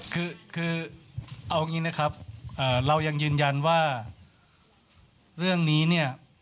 คือเอาอย่างนี้นะครับเรายังยืนยันว่าเรื่องนี้เนี่ย